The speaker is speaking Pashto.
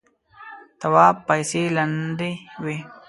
تواب پايڅې لندې وې.